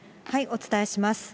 お伝えします。